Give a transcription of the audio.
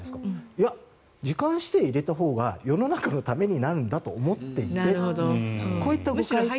いや、時間指定入れたほうが世の中のためになるんだと思っていてと。